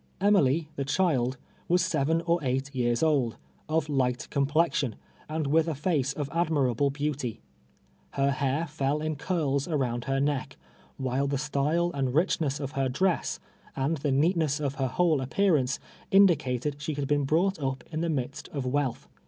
Emily, the child, was seven or eight years old, of light complexion, and with a face of admirable beau ty. Her hair fell in curls around her neck, Avhilethe style and richness of her dress, and tlie neatness of her whole appearance indicated she had been brought up in the midst of wealth.